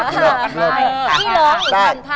พี่โร่งอีกหนึ่งท่า